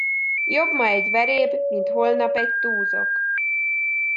Jobb ma egy veréb, mint holnap egy túzok.